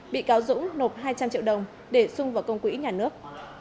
bị cáo dũng nộp hai trăm linh triệu đồng để xung vào công quỹ nhà nước